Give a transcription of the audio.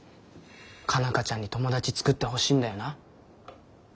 佳奈花ちゃんに友達作ってほしいんだよな？